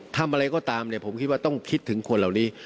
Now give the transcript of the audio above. ทำอะไรก็ตามเนี่ยผมคิดว่าต้องคิดถึงคนเหล่านี้